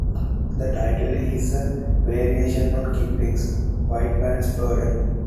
The title is a variation on Kipling's "White Man's Burden".